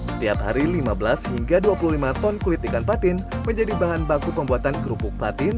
setiap hari lima belas hingga dua puluh lima ton kulit ikan patin menjadi bahan baku pembuatan kerupuk patin